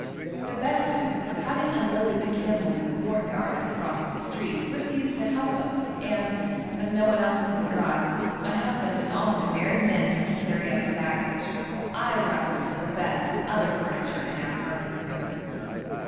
The Bedouin, having unloaded the camels in the courtyard across the street, refused to help us, and, as no one else could be got, my husband and all his merry men had to carry up the baggage, while I wrestled with the beds and other furniture in our earthy room.